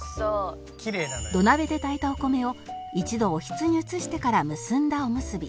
土鍋で炊いたお米を一度おひつに移してから結んだおむすび